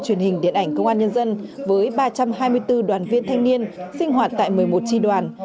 truyền hình điện ảnh công an nhân dân với ba trăm hai mươi bốn đoàn viên thanh niên sinh hoạt tại một mươi một tri đoàn